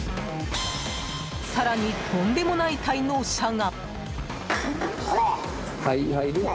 更に、とんでもない滞納者が！